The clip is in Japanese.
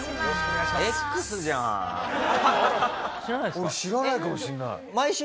俺知らないかもしれない。